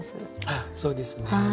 あそうですね。